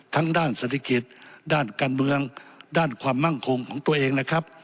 ด้านเศรษฐกิจด้านการเมืองด้านความมั่งคงของตัวเองนะครับ